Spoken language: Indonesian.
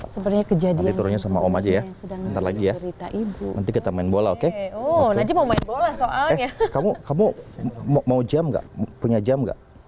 sebanyak kejadiannya sama om aja ya nanti kita main bola oke kamu kamu mau jam enggak punya jam